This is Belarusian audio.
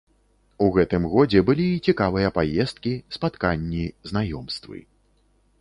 У гэтым годзе былі і цікавыя паездкі, спатканні, знаёмствы.